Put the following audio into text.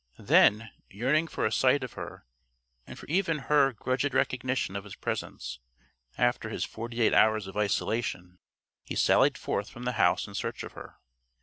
Then, yearning for a sight of her and for even her grudged recognition of his presence, after his forty eight hours of isolation, he sallied forth from the house in search of her.